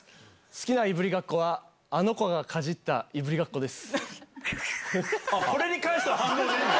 好きないぶりがっこは、あの子がかじったいぶりがっこです。